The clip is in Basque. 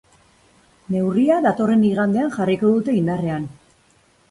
Neurria datorren igandean jarriko dute indarrean.